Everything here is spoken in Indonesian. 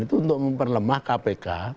itu untuk memperlemah kpk